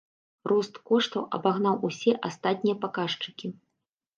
Рост коштаў абагнаў усе астатнія паказчыкі.